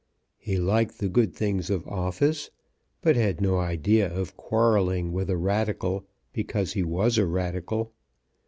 He liked the good things of office, but had no idea of quarrelling with a Radical because he was a Radical.